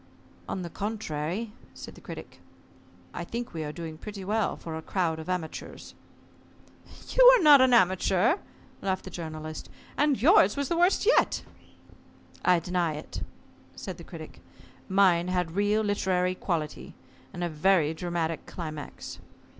"On the contrary," said the Critic, "I think we are doing pretty well for a crowd of amateurs." "You are not an amateur," laughed the Journalist, "and yours was the worst yet." "I deny it," said the Critic. "Mine had real literary quality, and a very dramatic climax."